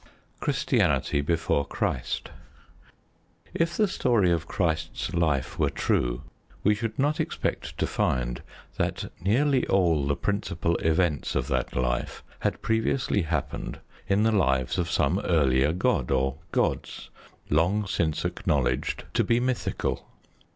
CHRISTIANITY BEFORE CHRIST If the story of Christ's life were true, we should not expect to find that nearly all the principal events of that life had previously happened in the lives of some earlier god or gods, long since acknowledged to be mythical.